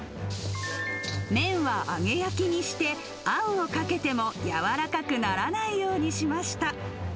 麺は揚げ焼きにして、あんをかけても柔らかくならないようにしました。